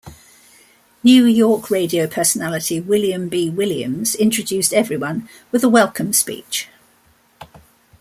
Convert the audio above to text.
New York radio personality William B. Williams introduced everyone with a welcome speech.